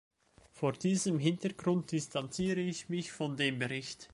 Vor diesem Hintergrund distanziere ich mich von dem Bericht.